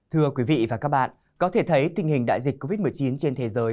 thưa quý vị và các bạn có thể thấy tình hình đại dịch covid một mươi chín trên thế giới